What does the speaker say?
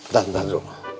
tahan tahan romlah